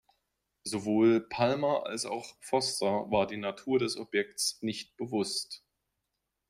Sowohl Palmer als auch Foster war die Natur des Objekts nicht bewusst.